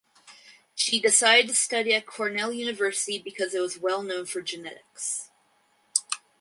She decided to study at Cornell University because it was well known for genetics.